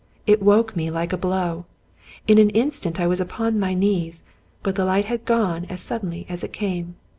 It woke me like a blow. In an instant I was upon my knees. But the light had gone as suddenly as it came.